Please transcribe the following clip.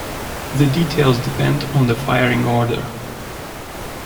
The details depend on the firing order.